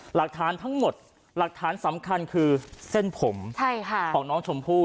หลักฐานทั้งหมดหลักฐานสำคัญคือเส้นผมของน้องชมพู่